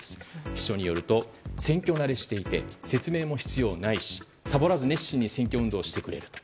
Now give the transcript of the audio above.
秘書によると、選挙慣れしていて説明も必要ないしさぼらず熱心に選挙運動をしてくれると。